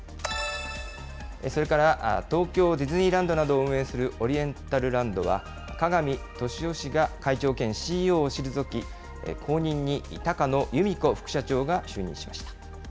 それから、東京ディズニーランドなどを運営するオリエンタルランドは、加賀見俊夫氏が会長兼ＣＥＯを退き、後任に高野由美子副社長が就任しました。